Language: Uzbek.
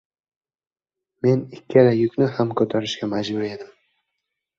Men ikkala yukni ham ko‘tarishga majbur edim.